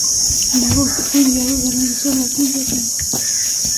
En agosto, fue enviado de regreso a las ligas menores.